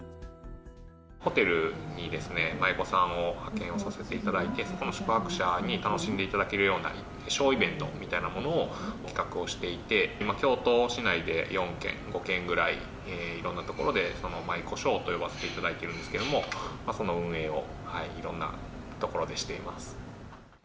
ホテルにですね、舞妓さんを派遣をさせていただいて、そこの宿泊者に楽しんでいただけるようなショーイベントみたいなものを企画をしていて、京都市内で４軒、５軒ぐらいいろんな所で舞妓ショーと呼ばせていただいてるんですけれども、その運営を、いろんな所でしています。